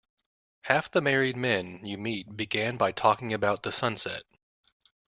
Half the married men you meet began by talking about the sunset.